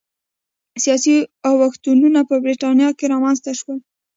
سیاسي اوښتونونه په برېټانیا کې رامنځته شول